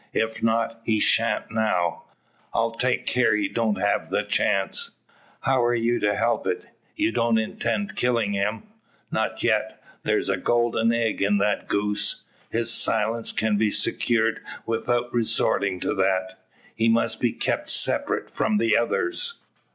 "If not, he shan't now. I'll take care he don't have the chance." "How are ye to help it? You don't intend killin' him?" "Not yet; thar's a golden egg in that goose. His silence can be secured without resortin' to that. He must be kep' separate from the others."